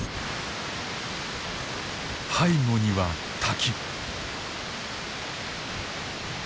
背後には滝。